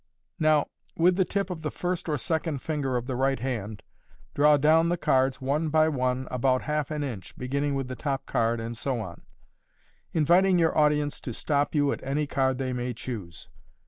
Now, with the tip of the first or second finger of the right hand, draw down the cards one by one about half an inch (beginning with the top card, and so on), inviting your audience to stop you at any card they may choose.